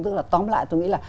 tức là tóm lại tôi nghĩ là